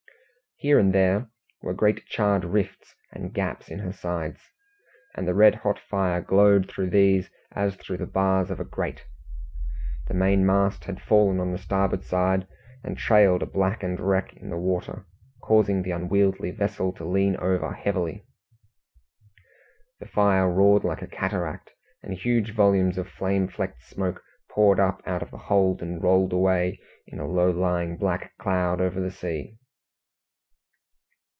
Here and there were great charred rifts and gaps in her sides, and the red hot fire glowed through these as through the bars of a grate. The main mast had fallen on the starboard side, and trailed a blackened wreck in the water, causing the unwieldy vessel to lean over heavily. The fire roared like a cataract, and huge volumes of flame flecked smoke poured up out of the hold, and rolled away in a low lying black cloud over the sea.